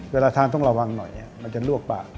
เวลาทานต้องระวังหน่อยมันจะลวกปาก